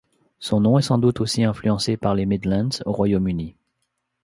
Son nom est sans doute aussi influencé par les Midlands au Royaume-Uni.